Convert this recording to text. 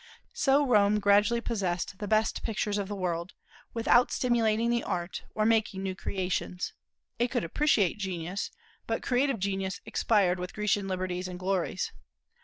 So Rome gradually possessed the best pictures of the world, without stimulating the art or making new creations; it could appreciate genius, but creative genius expired with Grecian liberties and glories.